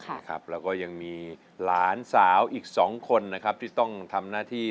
แล้วก็ยังมีหลานสาวอีกสองคนนะครับที่ต้องทำหน้าที่